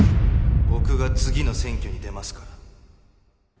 僕が次の選挙に出ますから。